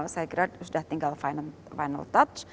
saya kira sudah tinggal final touch